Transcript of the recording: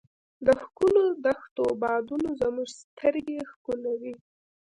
د ښکلو دښتو بادونو زموږ سترګې ښکلولې.